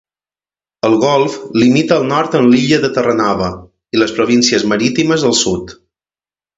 El Golf limita al nord amb l'illa de Terranova i les províncies marítimes al sud.